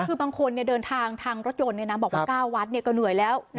คือบางคนเดินทางทางรถยนต์บอกว่า๙วัดก็เหนื่อยแล้ว